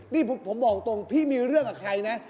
นี่ผมบอกตรงพี่มีเรื่องกับใครนะ